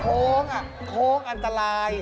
โค้งโค้งอันตราย